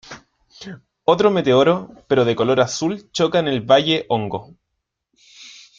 Otro meteoro, pero de color azul choca en el Valle Hongo.